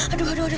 aduh aduh aduh